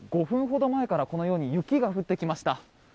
５分ほど前からこのように雪が降ってきました。